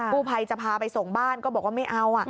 ผู้ภัยจะพาไปส่งบ้านก็บอกว่าไม่เอา